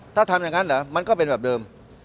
ถ้าทำอย่างนั้นเหรอมันก็เป็นแบบเดิม